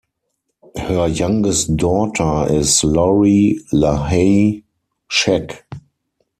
Her youngest daughter is Lori LaHaye Scheck.